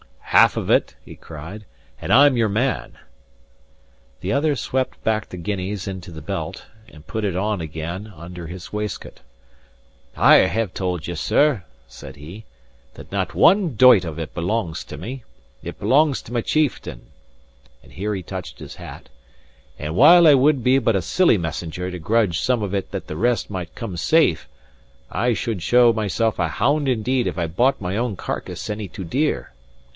"Half of it," he cried, "and I'm your man!" The other swept back the guineas into the belt, and put it on again under his waistcoat. "I have told ye sir," said he, "that not one doit of it belongs to me. It belongs to my chieftain," and here he touched his hat, "and while I would be but a silly messenger to grudge some of it that the rest might come safe, I should show myself a hound indeed if I bought my own carcase any too dear.